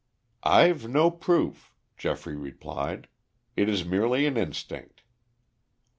"I've no proof," Geoffrey replied. "It is merely an instinct."